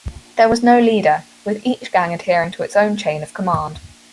There was no leader with each gang adhering to its own chain of command.